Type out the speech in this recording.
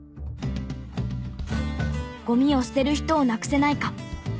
「ゴミを捨てる人をなくせないか」。